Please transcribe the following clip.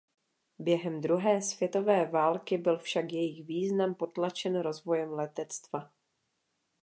Během druhé světové války byl však jejich význam potlačen rozvojem letectva.